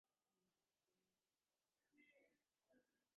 শশী বলিল, তামাশা করার জন্যে তোমায় এখানে ডাকিনি বৌ।